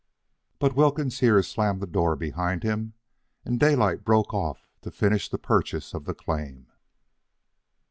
But Wilkins here slammed the door behind him, and Daylight broke off to finish the purchase of the claim.